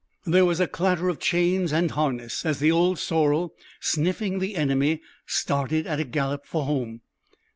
There was a clatter of chains and harness, as the old sorrel, sniffing the enemy, started at a gallop for home.